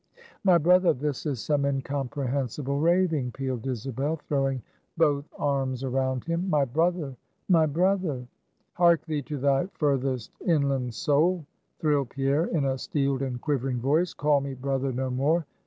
"My brother! this is some incomprehensible raving," pealed Isabel, throwing both arms around him; "my brother, my brother!" "Hark thee to thy furthest inland soul" thrilled Pierre in a steeled and quivering voice. "Call me brother no more!